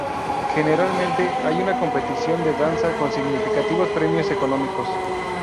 Generalmente hay una competición de danza, con significativos premios económicos.